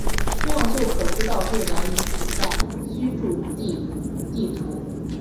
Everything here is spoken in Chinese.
这样就可知道未来与古代的居住地地图。